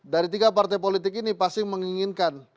dari tiga partai politik ini pasti menginginkan